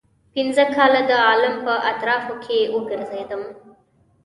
پنځه کاله د عالم په اطرافو کې وګرځېدم.